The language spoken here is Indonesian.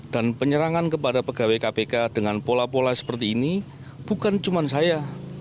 dan penyerangan kepada pegawai kpk dengan pola pola seperti ini bukan cuma saya